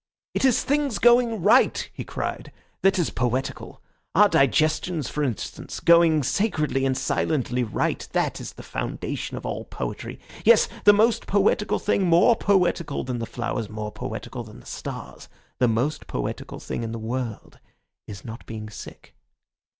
"It is things going right," he cried, "that is poetical! Our digestions, for instance, going sacredly and silently right, that is the foundation of all poetry. Yes, the most poetical thing, more poetical than the flowers, more poetical than the stars—the most poetical thing in the world is not being sick."